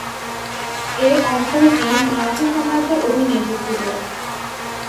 এ অঞ্চলটি মারাঠা সাম্রাজ্যের অধীনে এসেছিল।